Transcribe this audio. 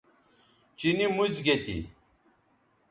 چینی موڅ گے تھی